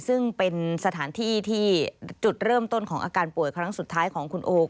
ซึ่งเป็นสถานที่ที่จุดเริ่มต้นของอาการป่วยครั้งสุดท้ายของคุณโอ